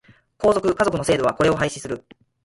皇族、華族の制度はこれを廃止する。